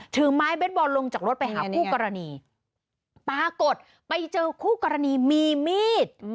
ถือไม้เบสบอลลงจากรถไปหาคู่กรณีปรากฏไปเจอคู่กรณีมีมีด